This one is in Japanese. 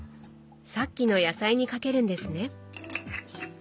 さっきの野菜にかけるんですね。